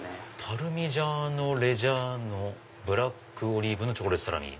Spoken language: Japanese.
「パルミジャーノレジャーノ・ブラックオリーブのチョコレートサラミ」。